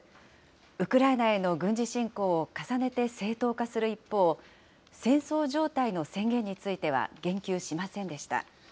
ウクライナへの軍事侵攻を重ねて正当化する一方、戦争状態の宣言については言及しませんでした。